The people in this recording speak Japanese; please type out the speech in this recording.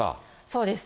そうです。